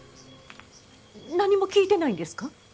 何も聞いてないんですか？